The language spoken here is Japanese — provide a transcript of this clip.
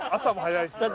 朝も早いし。